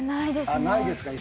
ないですか？